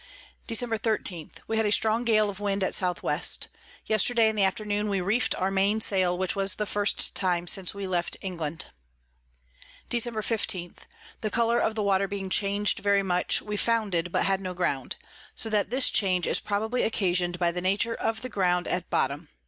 Dec. 13. We had a strong Gale of Wind at S W. Yesterday in the Afternoon we reef'd our Main Sail, which was the first time since we left England. Dec. 15. The Colour of the Water being chang'd very much, we founded, but had no Ground: so that this Change is probably occasion'd by the nature of the Ground at bottom.